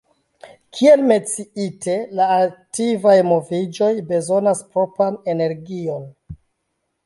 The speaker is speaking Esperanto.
Kiel menciite, la aktivaj moviĝoj bezonas propran energion.